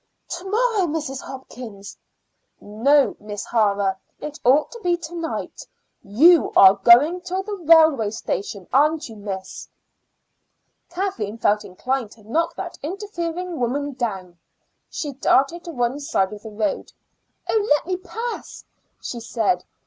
To morrow, Mrs. Hopkins." "No, Miss O'Hara; it ought to be to night. You are going to the railway station, aren't you, miss?" Kathleen felt inclined to knock that interfering woman down. She darted to one side of the road. "Oh, let me pass!" she said.